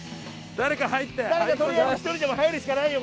誰かとりあえず１人でも入るしかないよ